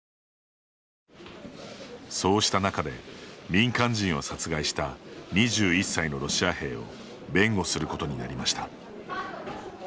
そうした中で、民間人を殺害した２１歳のロシア兵を弁護することになりました。